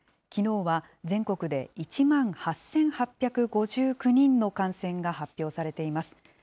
きのうは全国で１万８８５９人の感染が発表されています。